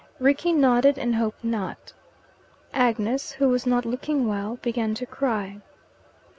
Rickie nodded, and hoped not. Agnes, who was not looking well, began to cry.